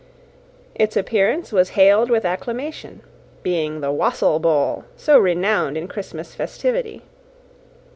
Its appearance was hailed with acclamation; being the Wassail Bowl, so renowned in Christmas festivity.